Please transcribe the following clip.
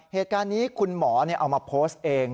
เหตุการณ์นี้คุณหมอเอามาโพสต์เอง